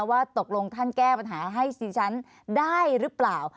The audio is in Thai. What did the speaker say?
ว่าตกลงท่านแก้ปัญหาให้ดิฉันได้หรือเปล่า